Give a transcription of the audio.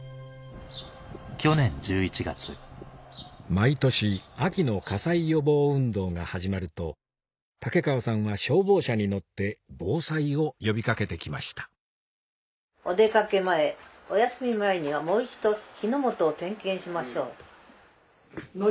毎年秋の火災予防運動が始まると竹川さんは消防車に乗って防災を呼び掛けて来ました「お出掛け前お休み前にはもう一度火の元を点検しましょう」とか。